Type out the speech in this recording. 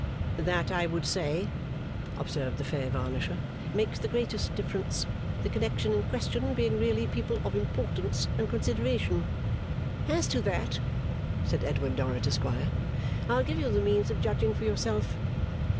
'That, I would say,' observed the fair varnisher, 'Makes the greatest difference. The connection in question, being really people of importance and consideration ' 'As to that,' said Edward Dorrit, Esquire, 'I'll give you the means of judging for yourself.